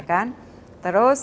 ya kan terus